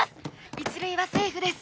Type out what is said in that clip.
一塁はセーフです